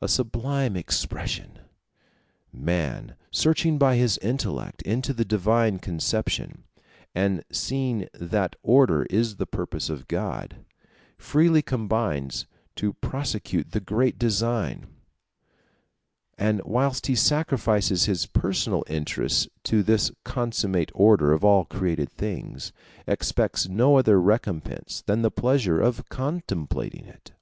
A sublime expression! Man, searching by his intellect into the divine conception, and seeing that order is the purpose of God, freely combines to prosecute the great design; and whilst he sacrifices his personal interests to this consummate order of all created things, expects no other recompense than the pleasure of contemplating it.